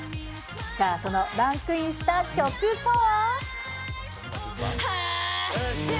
さあ、そのランクインした曲とは。